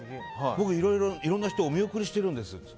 僕、いろんな人をお見送りしてるんですって。